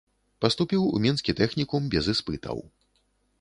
Паступіў у мінскі тэхнікум без іспытаў.